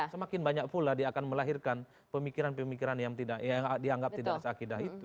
semakin banyak pula dia akan melahirkan pemikiran pemikiran yang dianggap tidak seakidah itu